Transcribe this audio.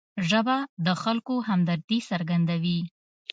ژبه د خلکو همدردي څرګندوي